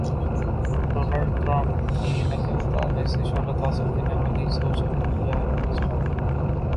Donald Trump کی نقل اتارنے سے شہرت حاصل کرنے والی سوشل میڈیا اسٹار